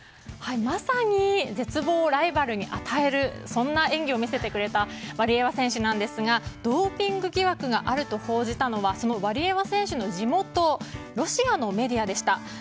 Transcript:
まさに絶望をライバルに与えるそんな演技を見せてくれたワリエワ選手なんですがドーピング疑惑があると報じたのはそのワリエワ選手の地元ロシアのメディアでした。